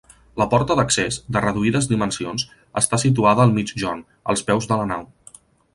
La porta d'accés, de reduïdes dimensions, està situada al migjorn, als peus de la nau.